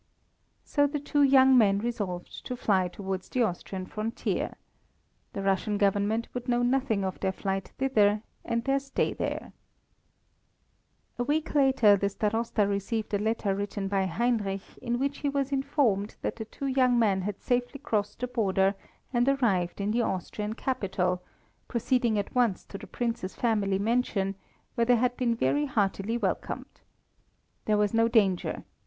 So the two young men resolved to fly towards the Austrian frontier. The Russian Government would know nothing of their flight thither and their stay there. A week later the Starosta received a letter written by Heinrich, in which he was informed that the two young men had safely crossed the border and arrived in the Austrian capital, proceeding at once to the Prince's family mansion, where they had been very heartily welcomed. There was no danger.